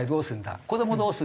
子どもどうするんだ？